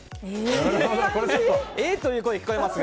えっという声が聞こえますが。